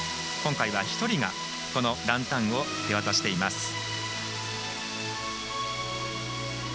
今回は、１人がこのランタンを手渡しています。